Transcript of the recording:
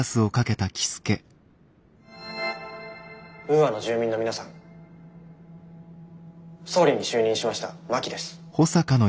ウーアの住民の皆さん総理に就任しました真木です。